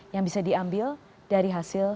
yang bisa diambil dari hasil